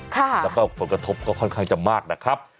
แล้วก็ผลกระทบก็ค่อนข้างจะมากนะครับ